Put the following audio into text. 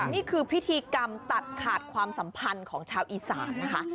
นี่คือพิธีกรรมตัดขาดความสัมพันธ์ของชาวอีสานนะคะ